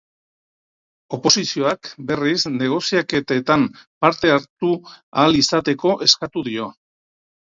Oposizioak, berriz, negoziaketetan parte hartu ahal izatea eskatu dio.